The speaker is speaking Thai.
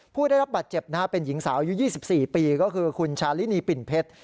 ผู้ได้รับบาดเจ็บเป็นหญิงสาวอายุ๒๔ปีก็คือคุณชาลินีปิ่นเพชร